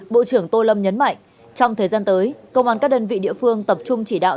bộ trưởng tô lâm nhấn mạnh trong thời gian tới công an các đơn vị địa phương tập trung chỉ đạo